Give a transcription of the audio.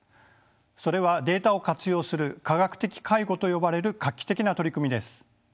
それはデータを活用する科学的介護と呼ばれる画期的な取り組みです。